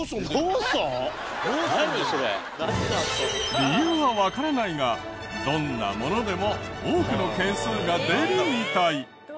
理由はわからないがどんなものでも多くの件数が出るみたい。